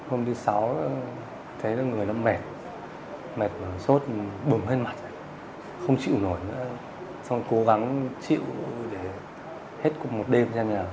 hôm thứ sáu thấy là người nó mệt mệt và sốt bùm lên mặt không chịu nổi nữa xong cố gắng chịu để hết cùng một đêm cho nhà